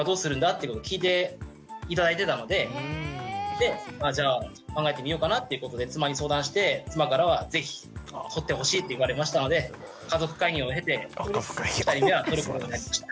ってことを聞いて頂いてたのででじゃあ考えてみようかなっていうことで妻に相談して妻からは是非取ってほしいって言われましたので家族会議を経て２人目は取ることになりました。